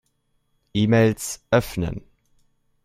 E-Mails öffnen.